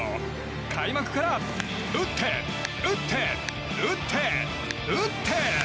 開幕から打って打って打って打って。